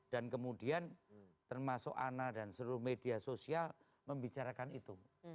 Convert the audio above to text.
dan kemudian termasuk ana dan seluruh media sosial membicarakan itu